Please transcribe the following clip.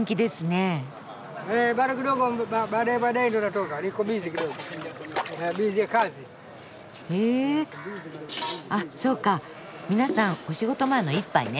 あっそうか皆さんお仕事前の１杯ね。